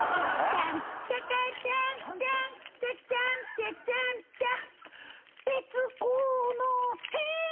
「チャンチャカチャンチャンチャチャンチャチャンチャン」